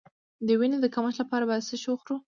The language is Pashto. د وینې د کمښت لپاره باید څه شی وخورم؟